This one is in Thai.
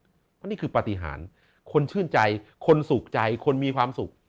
เพราะนี่คือปฏิหารคนชื่นใจคนสุขใจคนมีความสุข